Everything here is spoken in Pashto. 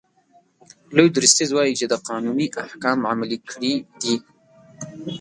لوی درستیز وایي چې ده قانوني احکام عملي کړي دي.